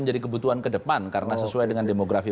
menjadi kebutuhan ke depan karena sesuai dengan demografi